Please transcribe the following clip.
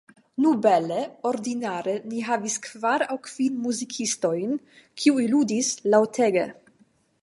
Ne bele, ordinare ni havis kvar aŭ kvin muzikistojn, kiuj ludis laŭtege.